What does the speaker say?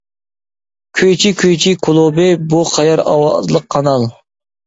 كۈيچى، كۈيچى كۇلۇبى. بۇ قەيەر؟ ئاۋازلىق قانال.